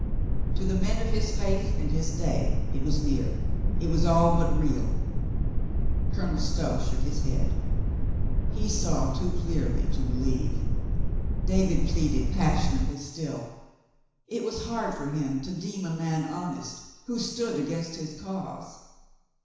To the men of his faith and his day it was near, it was all but real. Colonel Stow shook his head. He saw too clearly to believe. David pleaded passionately still. It was hard for him to deem a UPON THE USE OF A NOSE 75 man honest who stood against his cause.